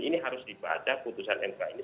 ini harus dibaca keputusan mk ini secara komprehensif